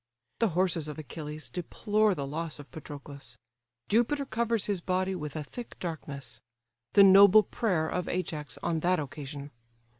The horses of Achilles deplore the loss of Patroclus: Jupiter covers his body with a thick darkness: the noble prayer of Ajax on that occasion.